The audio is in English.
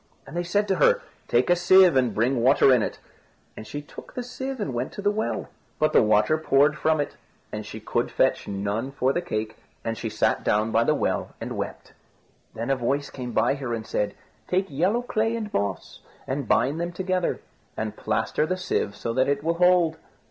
And they said to her, "Take a sieve and bring water in it." And she took the sieve and went to the well; but the water poured from it, and she could fetch none for the cake, and she sat down by the well and wept. Then a voice came by her and said, "Take yellow clay and moss, and bind them together, and plaster the sieve so that it will hold."